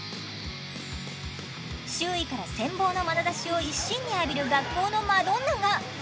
周囲から羨望のまなざしを一身に浴びる学校のマドンナが。